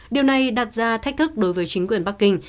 điều này đặt ra thách thức đối với chính quyền bắc kinh